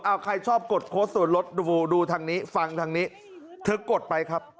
เอาใครชอบกดโค้ชส่วนลดดูดูทางนี้ฟังทางนี้เธอกดไปครับ